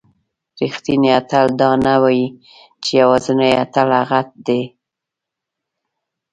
رښتینی اتل دا نه وایي چې یوازینی اتل هغه دی.